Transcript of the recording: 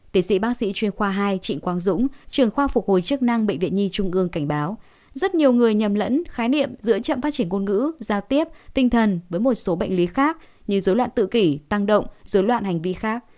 tiến sĩ bác sĩ chuyên khoa hai trịnh quang dũng trường khoa phục hồi chức năng bệnh viện nhi trung ương cảnh báo rất nhiều người nhầm lẫn khái niệm giữa chậm phát triển ngôn ngữ giao tiếp tinh thần với một số bệnh lý khác như dối loạn tự kỷ tăng động dối loạn hành vi khác